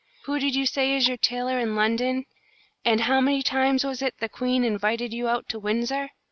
Who did you say is your tailor in London, and how many times was it the Queen invited you out to Windsor?